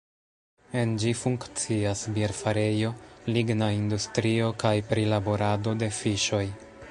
En ĝi funkcias bierfarejo, ligna industrio kaj prilaborado de fiŝoj.